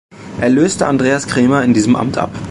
Er löste Andreas Krämer in diesem Amt ab.